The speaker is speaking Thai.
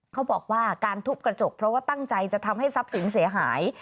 เขาบอกว่าการทุบกระจกเพราะว่าตั้งใจจะทำให้ทรัพย์สินเสียหาย